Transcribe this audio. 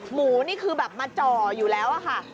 หมูนี่คือแบบมาจ่ออยู่แล้วอะค่ะ